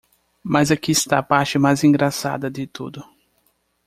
Mas aqui está a parte mais engraçada de tudo.